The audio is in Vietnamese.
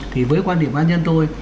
thì với quan điểm an nhân tôi